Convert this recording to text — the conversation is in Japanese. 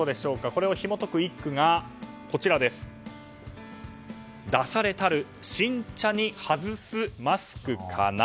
これをひも解く一句が「出されたる新茶にはづすマスクかな」。